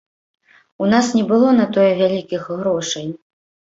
У нас не было на тое вялікіх грошай.